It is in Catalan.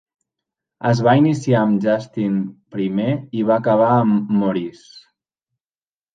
Es va iniciar amb Justin I i va acabar amb Maurice.